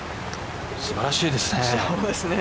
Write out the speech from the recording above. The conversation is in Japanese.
素晴らしいですね。